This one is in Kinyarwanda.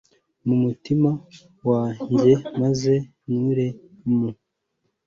mu mutima wanjye, maze nture mu